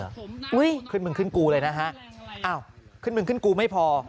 อุ้ยขึ้นมึงขึ้นกูเลยนะฮะอ้าวขึ้นมึงขึ้นกูไม่พอ